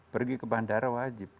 pergi ke bandara wajib